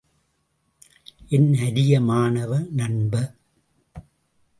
என் அரிய மாணவ நண்ப!